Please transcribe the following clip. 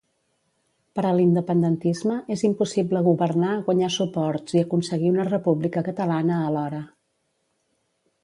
Per a l'independentisme, és impossible governar, guanyar suports i aconseguir una República catalana alhora.